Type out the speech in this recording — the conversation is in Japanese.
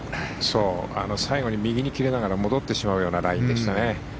最後に右に切れながら戻ってしまうようなラインでしたね。